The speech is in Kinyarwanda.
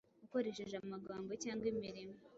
Ukoresheje amagambo cyangwa imirimo